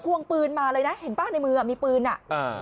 วงปืนมาเลยนะเห็นป่ะในมืออ่ะมีปืนอ่ะอ่า